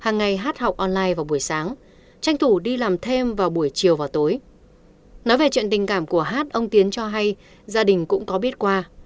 nói về chuyện tình cảm của hát ông tiến cho hay gia đình cũng có biết qua